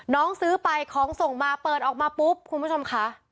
น้องซื้อไปของส่งมาเปิดออกมาปุ๊บคุณผู้ชมค่ะ